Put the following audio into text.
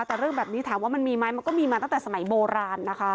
แต่เรื่องแบบนี้ถามว่ามันมีไหมมันก็มีมาตั้งแต่สมัยโบราณนะคะ